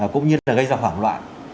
cũng như là gây ra hoảng loạn